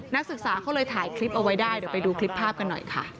นักศึกษาเขาเลยถ่ายคลิปเอาไว้ได้เดี๋ยวไปดูคลิปภาพกันหน่อยค่ะ